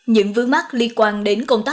những vướng mắt liên quan đến công tác